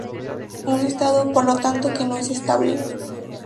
Un estado, por lo tanto, que no es estable.